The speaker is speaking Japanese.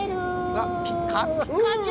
うわピカピカじゃ！